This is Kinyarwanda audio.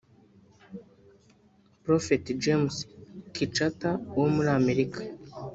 Prophet James Kithcart wo muri Amerika